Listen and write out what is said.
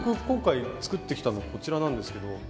今回作ってきたのこちらなんですけど。